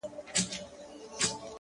کندهاری زده چي وای پکتيا سره خبرې وکړه _